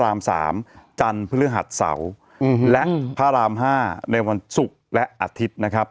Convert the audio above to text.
ตามสามจันทร์เพื่อให้หัดเสาและพระรามห้าในวันศุกร์และอาทิตย์นะครับ